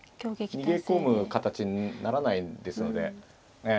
逃げ込む形にならないですのでええ。